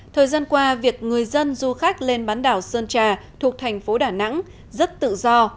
thời gian qua việc người dân du khách lên bán đảo sơn trà thuộc thành phố đà nẵng rất tự do